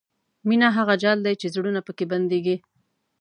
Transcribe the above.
مینه هغه جال دی چې زړونه پکې بندېږي.